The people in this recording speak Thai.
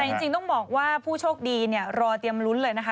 แต่จริงต้องบอกว่าผู้โชคดีเนี่ยรอเตรียมลุ้นเลยนะคะ